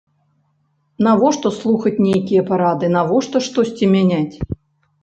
Навошта слухаць нейкія парады, навошта штосьці мяняць?